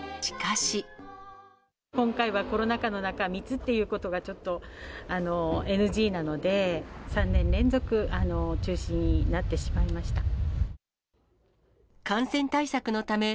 今回はコロナ禍の中、密っていうことがちょっとＮＧなので、３年連続中止になってしまいました。